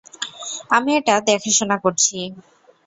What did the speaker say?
আমি এটা দেখাশোনা করছি।